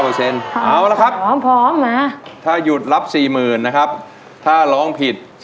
๕๙เปอร์เซ็นต์เอาละครับพร้อมมาถ้ายุ่นรับ๔๐๐๐๐นะครับถ้าร้องผิด